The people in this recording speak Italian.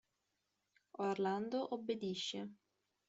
Orlando obbedisce.